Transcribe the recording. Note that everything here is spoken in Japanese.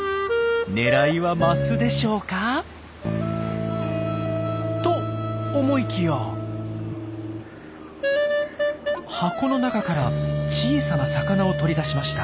狙いはマスでしょうか？と思いきや箱の中から小さな魚を取り出しました。